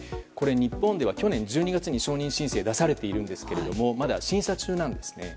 日本では、去年１２月に承認申請出されているんですがまだ審査中なんですね。